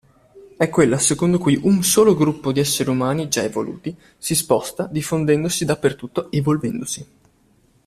È quella secondo cui un solo gruppo di esseri umani già evoluti si sposta diffondendosi dappertutto evolvendosi.